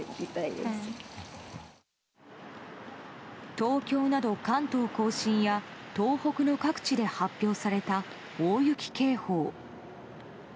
東京など関東・甲信や東北の各地で発表された大雪警報。